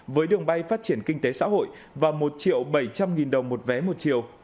với đường bay phát triển kinh tế xã hội và một bảy trăm linh đồng một chiều